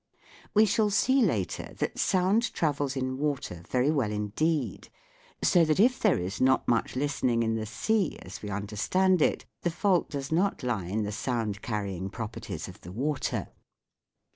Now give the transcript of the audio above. We shall see later that sound travels in water very well indeed, so that if there is not much listening in the sea, as we understand it, the fault does not lie in the sound carrying properties of the water.